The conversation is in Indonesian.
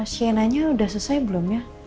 sienna nya udah selesai belum ya